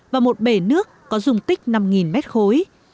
và một bể nước có dùng tích năm mét khối